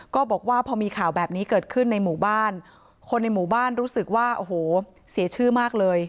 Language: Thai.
ก็บอกว่าพอมีข่าวแบบนี้เกิดขึ้นในหมู่บ้านคนในหมู่บ้านรู้สึกว่าโอ้โหเสียชื่อมากเลย